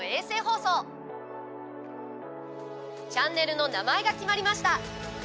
チャンネルの名前が決まりました。